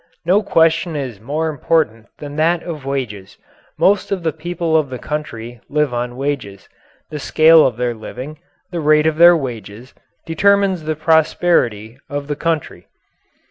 No question is more important than that of wages most of the people of the country live on wages. The scale of their living the rate of their wages determines the prosperity of the country.